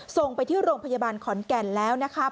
ส่งไปที่โรงพยาบาลขอนแก่นแล้วนะคะ